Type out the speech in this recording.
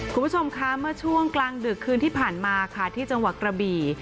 คุณผู้ชมคะเมื่อช่วงกลางดึกคืนที่ผ่านมาค่ะที่จังหวัดกระบี่